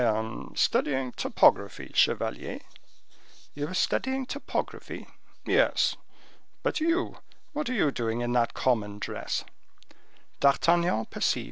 "I am studying topography, chevalier." "You are studying topography?" "Yes; but you—what are you doing in that common dress?"